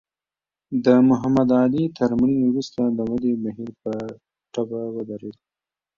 د محمد علي تر مړینې وروسته د ودې بهیر په ټپه ودرېد.